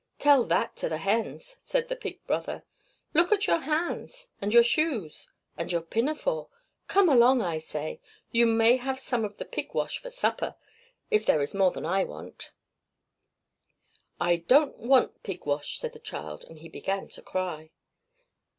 "Tell that to the hens!" said the pig brother. "Look at your hands, and your shoes, and your pinafore! Come along, I say! You may have some of the pig wash for supper, if there is more than I want." "I don't want pig wash!" said the child; and he began to cry.